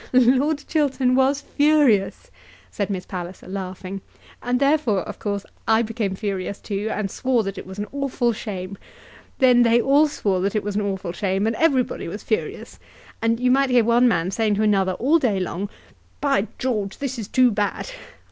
"Lord Chiltern was furious," said Miss Palliser, laughing, "and therefore, of course, I became furious too, and swore that it was an awful shame. Then they all swore that it was an awful shame, and everybody was furious. And you might hear one man saying to another all day long, 'By George, this is too bad.'